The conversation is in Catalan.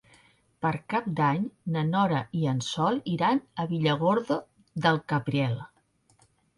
Per Cap d'Any na Nora i en Sol iran a Villargordo del Cabriel.